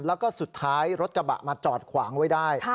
แล้วก็สุดท้ายรถกระบะมาจอดขวางไว้ได้